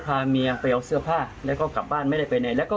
พาเมียไปเอาเสื้อผ้าแล้วก็กลับบ้านไม่ได้ไปไหนแล้วก็